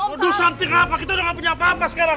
aduh cantik apa kita udah gak punya apa apa sekarang